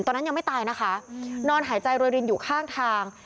ตอนนั้นยังไม่ตายนะคะนอนหายใจโรยรินอยู่ข้างทาง